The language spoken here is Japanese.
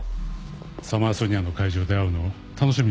サマーソニアの会場で会うのを楽しみにしているよ